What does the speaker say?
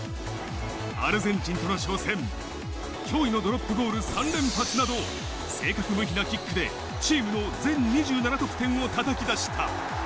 アルゼンチンとの初戦、驚異のドロップゴール３連発など、正確無比なキックでチームの全２７得点を叩き出した。